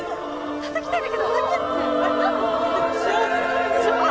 たたきたいんだけど！